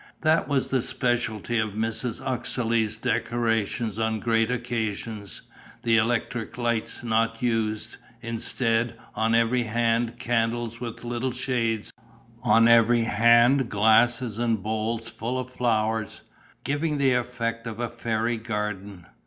That was the speciality of Mrs. Uxeley's decorations on great occasions: the electric light not used; instead, on every hand candles with little shades, on every hand glasses and bowls full of flowers, giving the effect of a fairy garden.